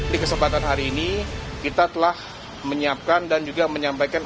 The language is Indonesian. di kesempatan hari ini kita telah menyiapkan dan juga menyampaikan